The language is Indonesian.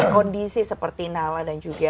kondisi seperti nala dan juga